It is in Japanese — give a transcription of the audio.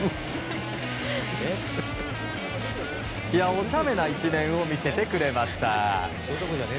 おちゃめな一面を見せてくれました。